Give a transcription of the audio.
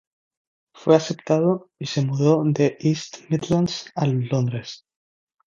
Fue aceptado, y se mudó de East Midlands a Londres.